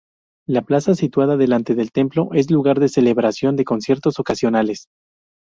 La plaza situada delante del templo es lugar de celebración de conciertos ocasionales.